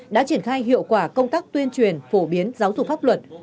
đã triển khai hiệu quả công tác tuyên truyền phổ biến giáo dục pháp luật